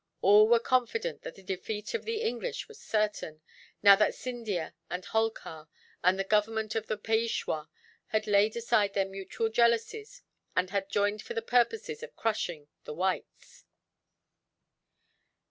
All were confident that the defeat of the English was certain, now that Scindia and Holkar and the government of the Peishwa had laid aside their mutual jealousies, and had joined for the purpose of crushing the whites.